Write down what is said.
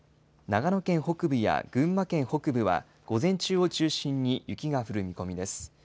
長野県北部や群馬県北部は、午前中を中心に雪が降る見込みです。